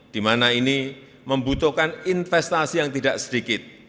di mana ini membutuhkan investasi yang tidak sedikit